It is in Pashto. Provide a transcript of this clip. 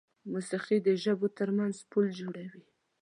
موسیقي د ژبو تر منځ پل جوړوي.